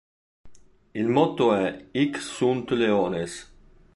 Il motto è "Hic Sunt Leones".